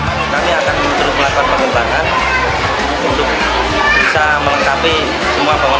kami akan menutup laporan pengembangan untuk bisa melengkapi semua pembawaan